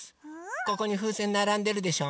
ここにふうせんならんでるでしょ？